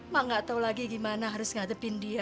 mak gak tahu lagi gimana harus ngatepin dia